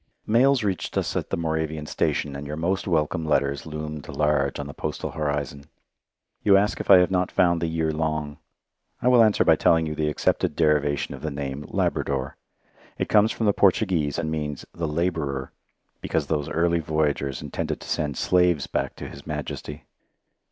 Mails reached us at the Moravian station, and your most welcome letters loomed large on the postal horizon. You ask if I have not found the year long. I will answer by telling you the accepted derivation of the name "Labrador." It comes from the Portuguese, and means "the labourer," because those early voyagers intended to send slaves back to His Majesty.